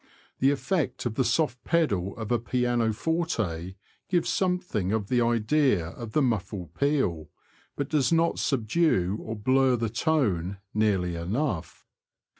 The effect of the soft pedal of a pianoforte gives something of the idea of the muffled peal, but does not subdue or blur the tone nearly enough.